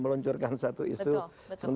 meluncurkan satu isu betul betul